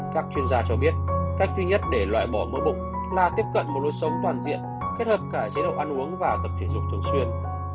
các chuyên gia cho biết cách duy nhất để loại bỏ mơ bụng là tiếp cận một nôi sống toàn diện kết hợp cả chế độ ăn uống và tập thể dục